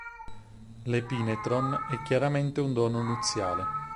L'epinetron è chiaramente un dono nuziale.